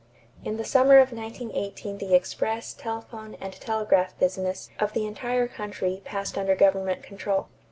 In the summer of 1918 the express, telephone, and telegraph business of the entire country passed under government control.